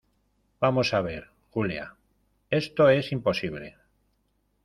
vamos a ver, Julia , esto es imposible.